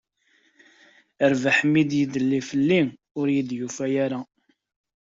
Rrbeḥ mi d-yedla fell-i, ur iyi-d-yufi ara.